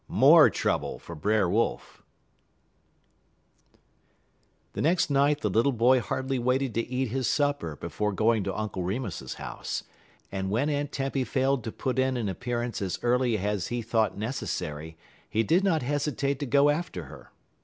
LI MORE TROUBLE FOR BRER WOLF The next night the little boy hardly waited to eat his supper before going to Uncle Remus's house; and when Aunt Tempy failed to put in an appearance as early as he thought necessary, he did not hesitate to go after her.